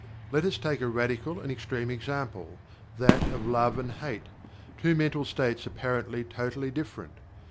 Let us take a radical and extreme example that of "Love and Hate," two mental states apparently totally different.